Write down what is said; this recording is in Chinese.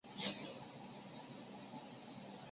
丽肯可